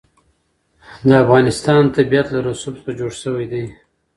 د افغانستان طبیعت له رسوب څخه جوړ شوی دی.